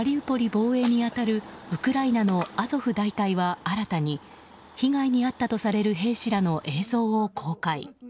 防衛に当たるウクライナのアゾフ大隊は新たに被害に遭ったとされる兵士らの映像を公開。